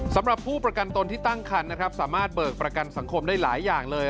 สำหรับผู้ประกันตนที่ตั้งคันนะครับสามารถเบิกประกันสังคมได้หลายอย่างเลย